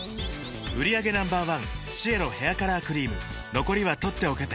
売上№１シエロヘアカラークリーム残りは取っておけて